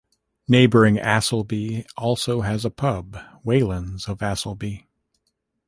Neighbouring Asselby also has a pub, Whelans of Asselby.